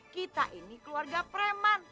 kita ini keluarga preman